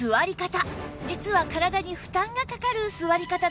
実は体に負担がかかる座り方だったんです